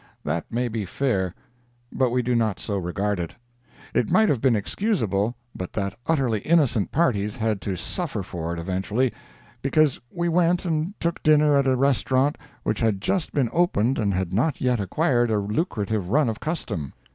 That may be fair, but we do not so regard it. It might have been excusable but that utterly innocent parties had to suffer for it eventually—because we went and took dinner at a restaurant which had just been opened and had not yet acquired a lucrative run of custom.